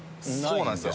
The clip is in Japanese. そうなんですよ。